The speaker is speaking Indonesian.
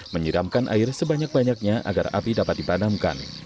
berapa orang katanya pak pelapan